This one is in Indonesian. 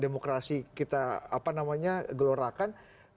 demokrasi kita apa namanya gelorakan